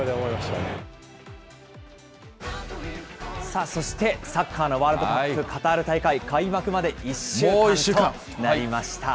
さあ、そしてサッカーのワールドカップカタール大会、開幕まで１週間となりました。